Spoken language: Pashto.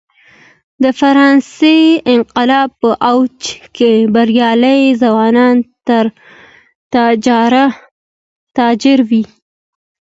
د فرانسې انقلاب په اوج کې بریالي ځوان تاجر و.